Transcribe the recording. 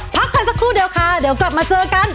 พักกันสักครู่เดียวค่ะเดี๋ยวกลับมาเจอกัน